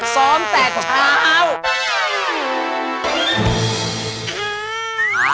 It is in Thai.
ซ้อมแต่เช้า